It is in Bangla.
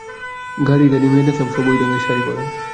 গাড়ী গাড়ী মেয়ে দেখলাম, সব ঐ ঢঙের শাড়ী পরা।